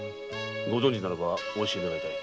ご存じならばお教え願いたい。